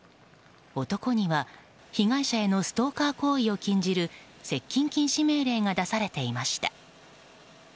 男には被害者へのストーカー行為を禁じる接近禁止命令が出されていました。